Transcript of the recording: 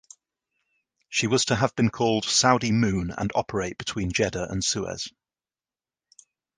She was to have been called "Saudi Moon" and operate between Jeddah and Suez.